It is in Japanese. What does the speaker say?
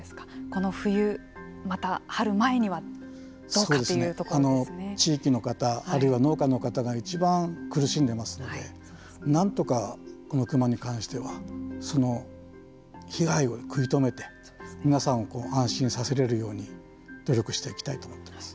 この冬、また春前には地域の方、あるいは農家の方がいちばん苦しんでいますのでなんとか、このクマに関してはその被害を食い止めて皆さんを安心させられるように努力していきたいと思っています。